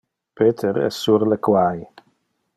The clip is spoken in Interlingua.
Peter es sur le quai.